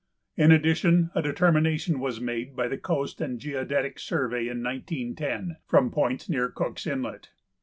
In addition, a determination was made by the Coast and Geodetic Survey in 1910, from points near Cook's Inlet.